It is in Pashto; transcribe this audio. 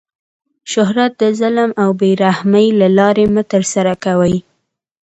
شهرت د ظلم او بې رحمۍ له لاري مه ترسره کوئ!